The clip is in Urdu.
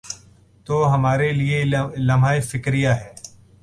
تو ہمارے لئے یہ لمحہ فکریہ ہے۔